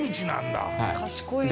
賢いな。